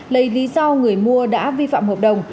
khi mua đã vi phạm hợp đồng